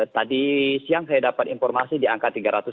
tadi siang saya dapat informasi di angka tiga ratus tiga puluh